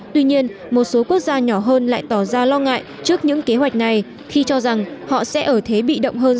tuy nhiên một số quốc gia nhỏ hơn lại tỏ ra lo ngại trước những kế hoạch này khi cho rằng họ sẽ ở thế bị động hơn